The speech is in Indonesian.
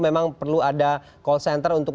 memang perlu ada call center untuk